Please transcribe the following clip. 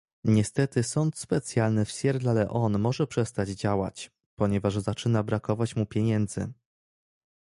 Niestety sąd specjalny w Sierra Leone może przestać działać, ponieważ zaczyna brakować mu pieniędzy